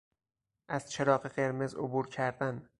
از چراغ قرمز عبور کردن